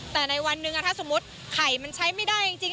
แต่ในวันหนึ่งถ้าสมมุติไข่มันใช้ไม่ได้จริง